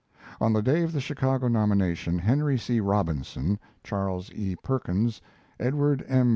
On the day of the Chicago nomination, Henry C. Robinson, Charles E. Perkins, Edward M.